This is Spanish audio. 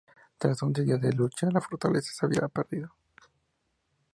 Tras once días de lucha, la fortaleza se había perdido.